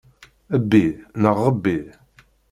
Bbi, neɣ ɣebbi.